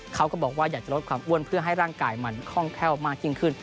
เขาก็บอกว่าอยากจะลดความอ้วนเพื่อให้ร่างกายมันคล่องแคล่วมากยิ่งขึ้น